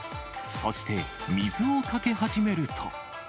そして、水をかけ始めると。